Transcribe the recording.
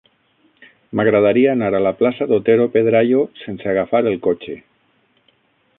M'agradaria anar a la plaça d'Otero Pedrayo sense agafar el cotxe.